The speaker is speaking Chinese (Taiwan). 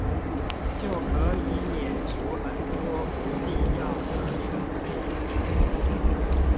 就可以免除很多不必要的人力